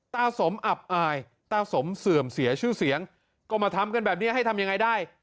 ตาสมอับอายตาสมเสื่อมเสียชื่อเสียงก็มาทำกันแบบนี้ให้ทำยังไงได้